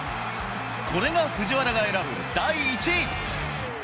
これが藤原が選ぶ第１位。